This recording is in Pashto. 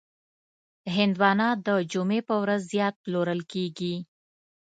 هندوانه د جمعې په ورځ زیات پلورل کېږي.